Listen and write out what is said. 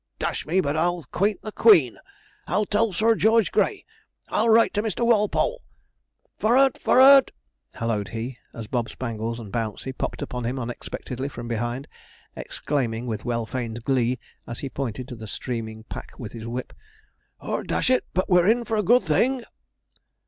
Dash me, but I'll 'quaint the Queen! I'll tell Sir George Grey! I'll write to Mr. Walpole! Fo orrard! fo orrard!' hallooed he, as Bob Spangles and Bouncey popped upon him unexpectedly from behind, exclaiming with well feigned glee, as he pointed to the streaming pack with his whip, ''Ord dash it, but we're in for a good thing!'